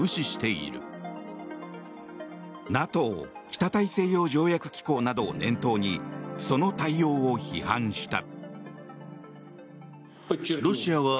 ＮＡＴＯ・北大西洋条約機構などを念頭にその対応を批判した。